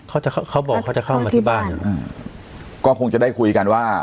เขาบอกเขาจะเข้ามาที่บ้านอืมก็คงจะได้คุยกันว่า